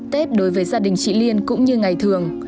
tết đối với gia đình chị liên cũng như ngày thường